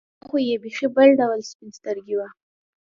دا خو یې بېخي بل ډول سپین سترګي وه.